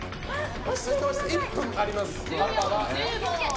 １分あります。